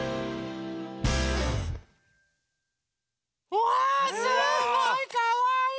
うわすごいかわいいよね。